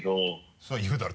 それは言うだよ